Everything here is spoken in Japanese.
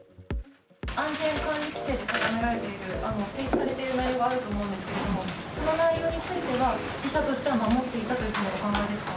安全管理規程で定められている、提示されている内容があると思うんですけど、その内容については、貴社としては守っていたというお考えですか？